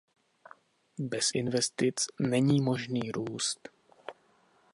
Bez investic není možný růst.